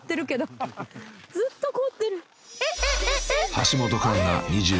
［橋本環奈２４歳］